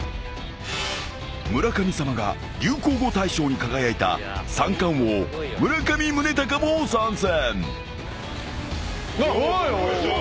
［村神様が流行語大賞に輝いた三冠王村上宗隆も参戦］